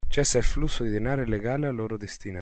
Cessa il flusso di denaro illegale a loro destinato